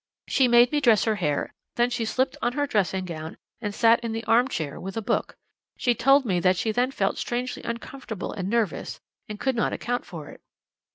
She made me dress her hair, then she slipped on her dressing gown and sat in the arm chair with a book. She told me that she then felt strangely uncomfortable and nervous, and could not account for it.